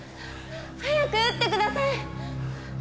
早く打ってください！